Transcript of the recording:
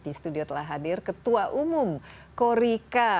di studio telah hadir ketua umum korika